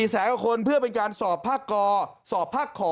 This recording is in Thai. แสนกว่าคนเพื่อเป็นการสอบภาคกสอบภาคขอ